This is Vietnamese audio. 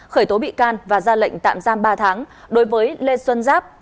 khởi tố bị can và ra lệnh tạm giam ba tháng đối với lê xuân giáp